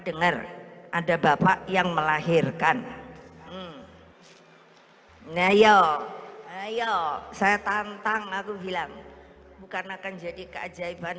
denger ada bapak yang melahirkan nyanyi yo yo saya tantang aku bilang bukan akan jadi keajaiban